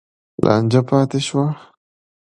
لانجه پاتې شوه.